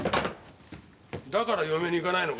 だから嫁に行かないのか？